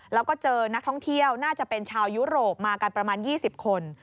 แล้วก็เจอนักท่องเที่ยวน่าจะเป็นชาวยุโรปมากันประมาณ๒๐คน